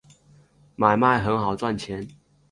买卖很好赚钱